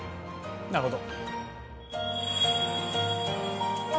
なるほど。